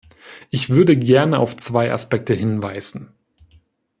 Ich würde gerne auf zwei Aspekte hinweisen.